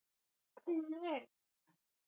Nikiwa na kiu, maji hunisaidia.